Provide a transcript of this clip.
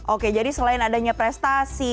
oke jadi selain adanya prestasi